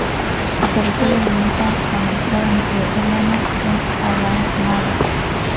Su territorio limita con el estado nigeriano de Adamawa.